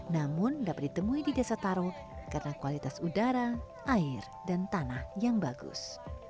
namun dapat ditemui di desa taro karena kualitas udara air dan tanah yang bagus